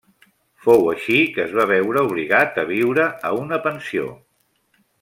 Fou així que es va veure obligat a viure a una pensió.